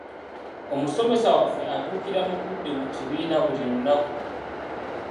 Omusomesa waffe atuukira mu budde mu kibiina buli lunaku.